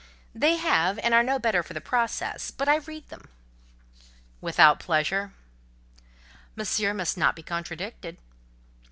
"They have, and are no better for the process; but I read them." "Without pleasure?" "Monsieur must not be contradicted."